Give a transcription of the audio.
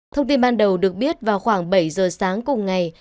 thông tin ban đầu được biết vào khoảng bảy giờ sáng cùng ngày